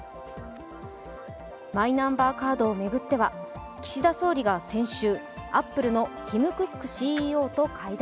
マイナンバーカードを巡っては、岸田総理が先週、アップルのティム・クックＣＥＯと会談。